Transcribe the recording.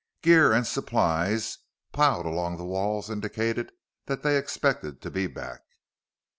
Gear and supplies piled along the walls indicated that they expected to be back.